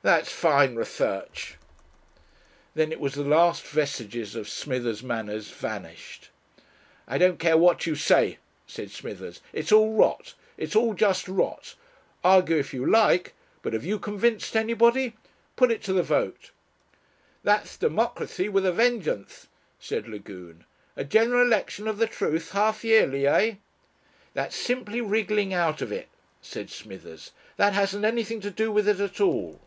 That's fine research!" Then it was the last vestiges of Smithers' manners vanished. "I don't care what you say," said Smithers. "It's all rot it's all just rot. Argue if you like but have you convinced anybody? Put it to the vote." "That's democracy with a vengeance," said Lagune. "A general election of the truth half yearly, eh?" "That's simply wriggling out of it," said Smithers. "That hasn't anything to do with it at all."